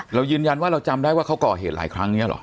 เรายืนยันว่าเราจำได้ว่าเขาก่อเหตุหลายครั้งนี้เหรอ